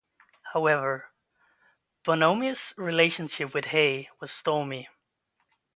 However, Bonomi's relationship with Hay was stormy.